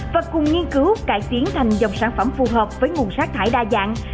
và cùng nghiên cứu cải tiến thành dòng sản phẩm phù hợp với nguồn sát thải đa dạng